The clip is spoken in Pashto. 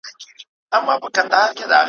خلك ستړي جگړه خلاصه كراري سوه `